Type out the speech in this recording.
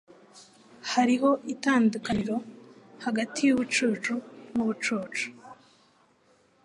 Hariho itandukaniro hagati yubucucu nubucucu.